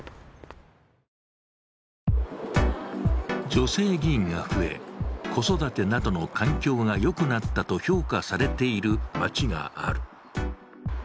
女性議員が増え、子育てなどの環境がよくなったと評価されている町がある。